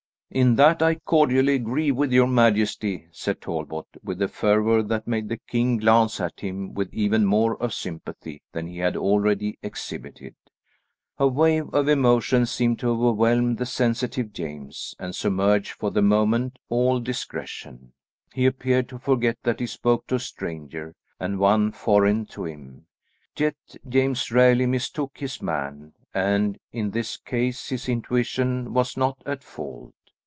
"In that I cordially agree with your majesty," said Talbot, with a fervour that made the king glance at him with even more of sympathy than he had already exhibited. A wave of emotion seemed to overwhelm the sensitive James, and submerge for the moment all discretion; he appeared to forget that he spoke to a stranger and one foreign to him, yet James rarely mistook his man, and in this case his intuition was not at fault.